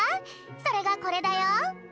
それがこれだよ。